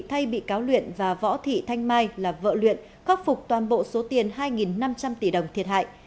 thay bị cáo luyện và võ thị thanh mai là vợ luyện khắc phục toàn bộ số tiền hai năm trăm linh tỷ đồng thiệt hại